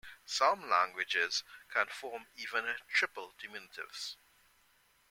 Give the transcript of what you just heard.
Some languages can form even triple diminutives.